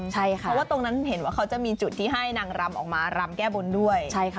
เพราะว่าตรงนั้นเห็นว่าเขาจะมีจุดที่ให้นางรำออกมารำแก้บนด้วย